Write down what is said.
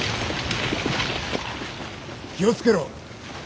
気を付けろ。